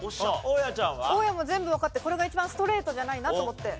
大家も全部わかってこれが一番ストレートじゃないなと思って。